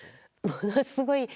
ものすごい